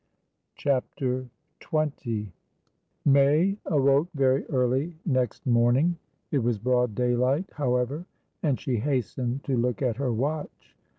CHAPTER XX May awoke very early next morning. It was broad daylight, however, and she hastened to look at her watch.